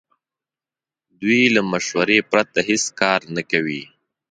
دوی له مشورې پرته هیڅ کار نه کوي.